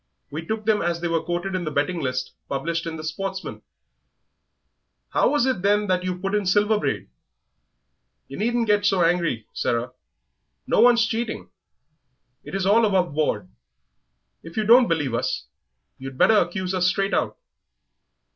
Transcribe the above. We took them as they were quoted in the betting list published in the Sportsman." "How was it, then, that you put in Silver Braid?" "Yer needn't get so angry, Sarah, no one's cheating; it is all above board. If you don't believe us, you'd better accuse us straight out."